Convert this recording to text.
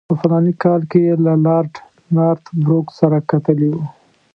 په فلاني کال کې یې له لارډ نارت بروک سره کتلي وو.